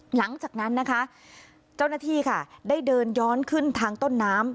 หลังจากนั้นนะคะเจ้าหน้าที่ค่ะได้เดินย้อนขึ้นทางต้นน้ำ